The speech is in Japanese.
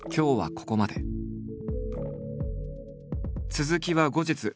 続きは後日。